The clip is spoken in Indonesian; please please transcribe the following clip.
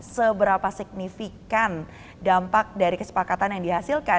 seberapa signifikan dampak dari kesepakatan yang dihasilkan